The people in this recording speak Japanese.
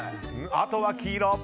あとは黄色。